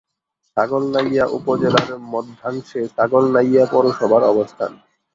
ছাগলনাইয়া উপজেলার মধ্যাংশে ছাগলনাইয়া পৌরসভার অবস্থান।